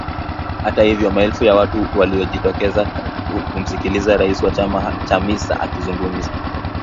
Hata hivyo maelfu ya watu waliojitokeza kumsikiliza rais wa chama Chamisa akizungumza.